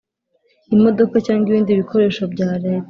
imodoka cyangwa ibindi bikoresho bya leta